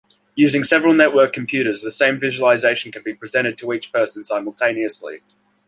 Using several networked computers, the same visualization can be presented to each person simultaneously.